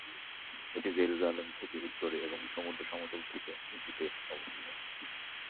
এটি জেরুজালেম থেকে উত্তরে এবং সমুদ্র সমতল থেকে উচুতে অবস্থিত।